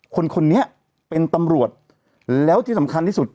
คนนี้เป็นตำรวจแล้วที่สำคัญที่สุด